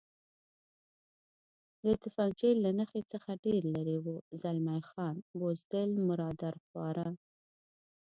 د تفنګچې له نښې څخه ډېر لرې و، زلمی خان: بزدل، مرادرخواره.